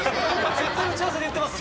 ずっと打ち合わせで言ってます。